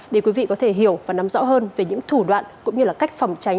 để quý vị có thể hiểu và nắm rõ hơn về những thủ đoạn cũng như là cách phòng tránh